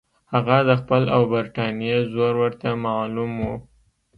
هغه د خپل او برټانیې زور ورته معلوم وو.